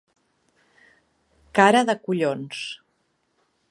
Cara de collons.